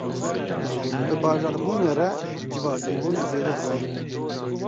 Bi bajarbûnê re civakîbûn zêde dibe.